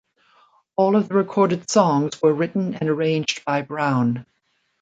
All of the recorded songs were written and arranged by Brown.